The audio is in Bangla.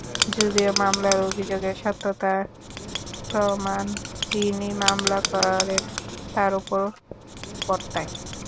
যদিও মামলার অভিযোগের সত্যতার প্রমাণ যিনি মামলা করেন তাঁর ওপর বর্তায়।